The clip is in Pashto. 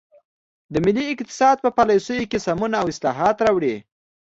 د ملي اقتصاد په پالیسیو کې سمون او اصلاحات راوړي.